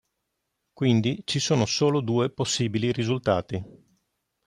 Quindi ci sono solo due possibili risultati.